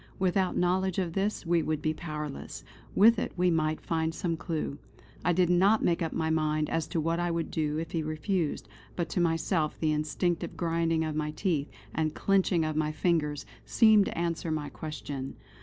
Without knowledge of this we would be powerless; with it we might find some clue. I did not make up my mind as to what I would do if he refused; but to myself the instinctive grinding of my teeth, and clenching of my fingers, seemed to answer my question.